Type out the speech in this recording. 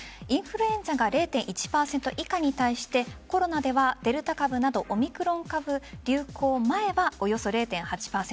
インフルエンザが０．１％以下に対してコロナではデルタ株などオミクロン株流行前まではおよそ０．８％